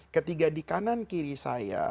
ketika di kanan kiri saya